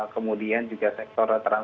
kemudian juga sektor kesehatan